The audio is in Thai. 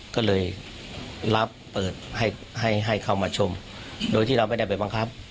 ก็เลยรับเปิดให้ให้เข้ามาชมโดยที่เราไม่ได้ไปบังคับ